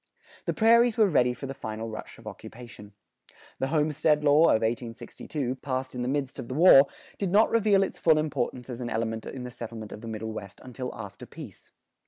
The prairies were ready for the final rush of occupation. The homestead law of 1862, passed in the midst of the war, did not reveal its full importance as an element in the settlement of the Middle West until after peace.